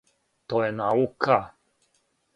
То је наука!